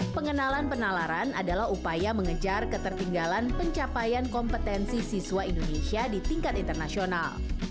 pengenalan penalaran adalah upaya mengejar ketertinggalan pencapaian kompetensi siswa indonesia di tingkat internasional